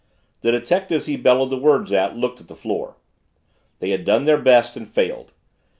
The detectives he bellowed the words at looked at the floor. They had done their best and failed.